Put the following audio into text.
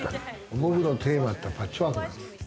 僕のテーマって、パッチワークなんだよ。